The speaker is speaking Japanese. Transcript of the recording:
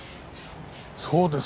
そうですか。